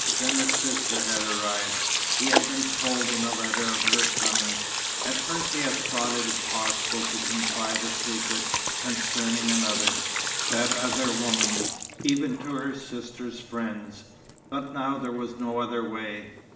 Then the sister had arrived. He had been told in a letter of her coming. At first he had thought it impossible to confide a secret concerning another that other a woman even to her sister's friends. But now there was no other way.